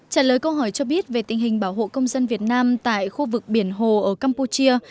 trả lời câu hỏi cho biết về tình hình bảo hộ công dân việt nam tại khu vực biển hồ ở campuchia